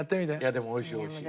でもおいしいおいしい。